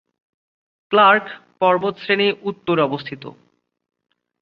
Clerk পর্বতশ্রেণী উত্তরে অবস্থিত।